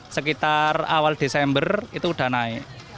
sekitar awal desember itu sudah naik